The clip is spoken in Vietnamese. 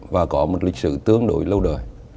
và có một lịch sử tương đối lâu đời